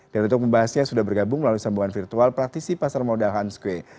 dan untuk pembahasnya sudah bergabung melalui sambungan virtual praktisi pasar modal hans kueh